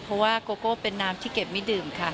เพราะว่าโกโก้เป็นน้ำที่เก็บไม่ดื่มค่ะ